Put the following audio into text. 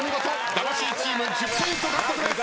魂チーム１０ポイント獲得です。